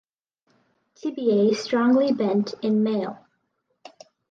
Tibiae strongly bent in male.